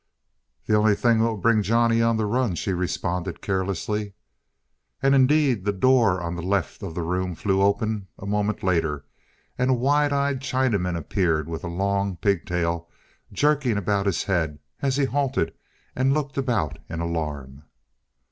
"The only thing that'll bring Johnny on the run," she responded carelessly. And, indeed, the door on the left of the room flew open a moment later, and a wide eyed Chinaman appeared with a long pigtail jerking about his head as he halted and looked about in alarm.